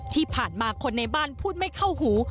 ที่ผ่านมาคนในบ้านพูดไม่เข้าหู